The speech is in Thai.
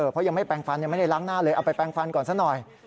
เพราะยังไม่ได้ล้างหน้าเลยเอาไปแปลงฟันก่อนซะหน่อย